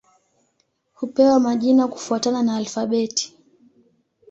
Hupewa majina kufuatana na alfabeti.